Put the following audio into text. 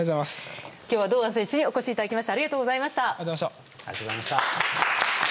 今日は堂安選手にお越しいただきました。